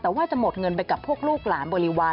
แต่ว่าจะหมดเงินไปกับพวกลูกหลานบริวาร